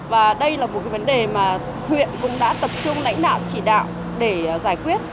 và đây là một cái vấn đề mà huyện cũng đã tập trung lãnh đạo chỉ đạo để giải quyết